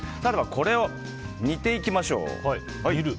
これを煮ていきましょう。